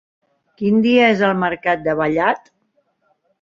Quin dia és el mercat de Vallat?